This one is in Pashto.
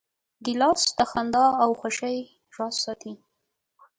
ګیلاس د خندا او خوښۍ راز ساتي.